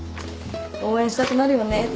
応援したくなるよね